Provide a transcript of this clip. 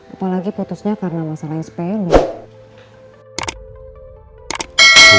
apalagi putusnya karena masalah yang sepilu